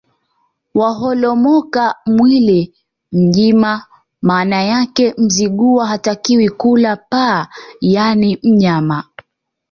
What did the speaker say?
Waholomoka mwili mjima Maana yake Mzigua hatakiwi kula paa yaani mnyama